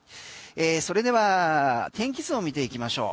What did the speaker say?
それでは天気図を見ていきましょう。